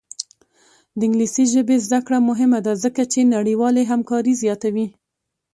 د انګلیسي ژبې زده کړه مهمه ده ځکه چې نړیوالې همکاري زیاتوي.